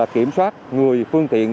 kiểm soát người phương tiện